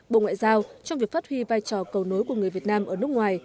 bộ ngoại giao trong việc phát huy vai trò cầu nối của người việt nam ở nước ngoài